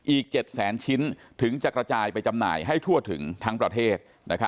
อีก๗แสนชิ้นถึงจะกระจายไปจำหน่ายให้ทั่วถึงทั้งประเทศ